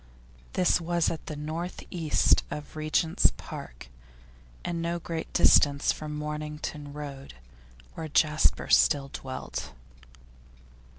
This was at the north east of Regent's Park, and no great distance from Mornington Road, where Jasper still dwelt.